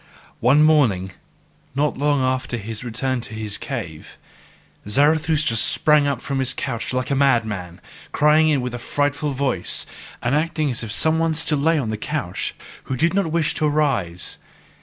One morning, not long after his return to his cave, Zarathustra sprang up from his couch like a madman, crying with a frightful voice, and acting as if some one still lay on the couch who did not wish to rise.